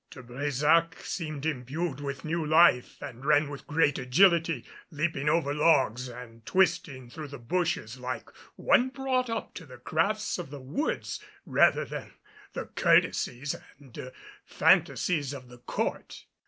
De Brésac seemed imbued with new life and ran with great agility, leaping over logs and twisting through the bushes like one brought up to the crafts of the woods rather than the courtesies and fantasies of the Court.